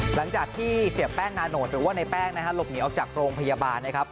หลังจากที่เสียแป้งนาโนตหรือว่าในแป้งนะฮะหลบหนีออกจากโรงพยาบาลนะครับ